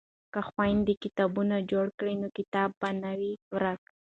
که خویندې کتابتون جوړ کړي نو کتاب به نه وي ورک.